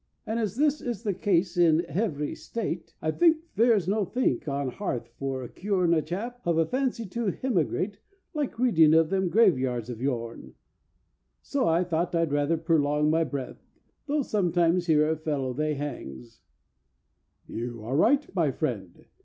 "And as this is the case in hevery State, I think there's nothink on hearth for cure'n A chap hof a fancy to hemigrate Like readin' of them graveyards of yourn. So I thought I'd rather perlong my breath, Tho' sometimes here a fellow they hangs"—— "You are right, my friend.